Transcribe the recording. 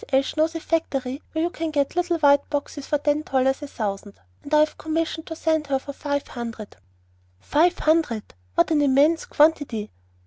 Ashe knows a factory where you can get the little white boxes for ten dollars a thousand, and I have commissioned her to send for five hundred." "Five hundred! What an immense quantity!"